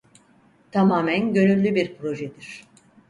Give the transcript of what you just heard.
Tamamen gönüllü bir projedir.